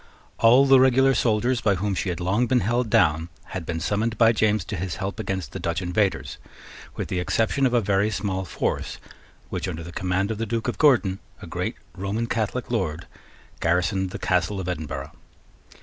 All the regular soldiers by whom she had long been held down had been summoned by James to his help against the Dutch invaders, with the exception of a very small force, which, under the command of the Duke of Gordon, a great Roman Catholic Lord, garrisoned the Castle of Edinburgh.